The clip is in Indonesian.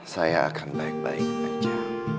saya akan baik baik saja